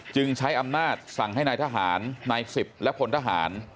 ใช้อำนาจสั่งให้นายทหารนาย๑๐และพลทหาร